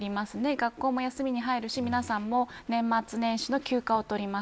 学校も休みに入るし皆さんも年末年始の休暇を取ります。